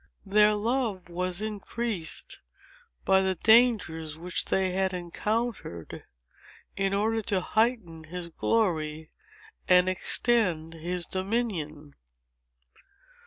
Their love was increased by the dangers which they had encountered in order to heighten his glory and extend his dominion.